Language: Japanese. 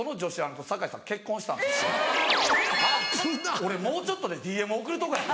俺もうちょっとでＤＭ送るとこやった。